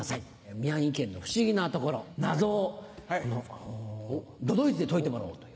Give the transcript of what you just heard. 宮城県の不思議なところ謎を都々逸で解いてもらおうという。